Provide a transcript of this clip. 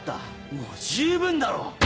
もう十分だろう！